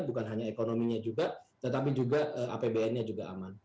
bukan hanya ekonominya juga tetapi juga apbn nya juga aman